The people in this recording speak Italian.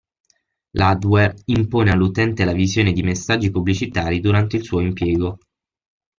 L'adware impone all'utente la visione di messaggi pubblicitari durante il suo impiego.